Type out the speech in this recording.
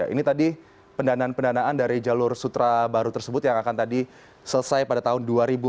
ini tadi pendanaan pendanaan dari jalur sutra baru tersebut yang akan tadi selesai pada tahun dua ribu empat puluh